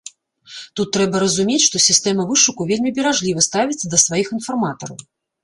Тут трэба разумець, што сістэма вышуку вельмі беражліва ставіцца да сваіх інфарматараў.